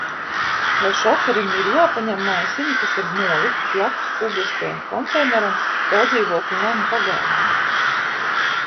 Vai šoferim ir jāpaņem maisiņi, kas ir nolikti blakus publiskajam konteineram daudzdzīvokļu namu pagalmā?